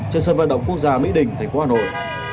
trên sân vận động quốc gia mỹ đình thành phố hà nội